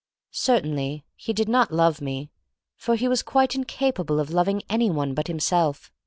Certainly he did not love me, for he was quite incapable of loving any one but himself.